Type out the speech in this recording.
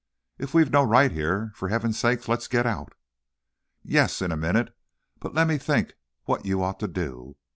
If we've no right here, for Heaven's sake, let's get out!" "Yes, in a minute, but let me think what you ought to do.